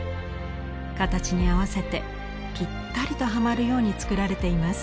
形に合わせてぴったりとはまるように作られています。